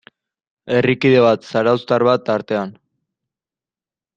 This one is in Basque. Herrikide bat, zarauztar bat tartean.